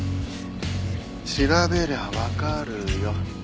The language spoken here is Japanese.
調べりゃわかるよ。